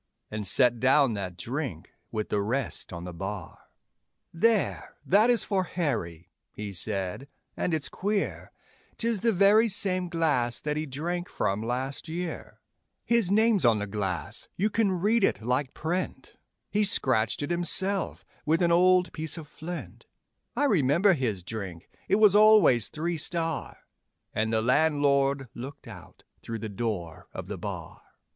And set down that drink with the rest on the bar. 'There, that is for Harry,' he said, 'and it's queer, 'Tis the very same glass that he drank from last year; His name's on the glass, you can read it like print, He scratched it himself with an old piece of flint; I remember his drink it was always Three Star' And the landlord looked out through the door of the bar.